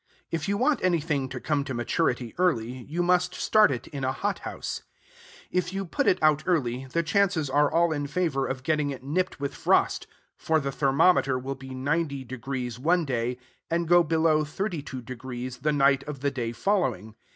If you want anything to come to maturity early, you must start it in a hot house. If you put it out early, the chances are all in favor of getting it nipped with frost; for the thermometer will be 90 deg. one day, and go below 32 deg. the night of the day following.